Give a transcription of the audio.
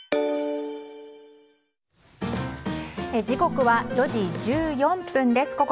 時刻は４時１４分です。